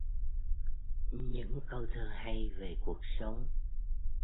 Những câu thơ hay về cuộc sống